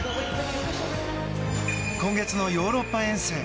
今月のヨーロッパ遠征